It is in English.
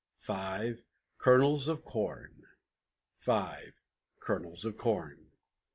Five Kernels of Corn! Five Kernels of Corn!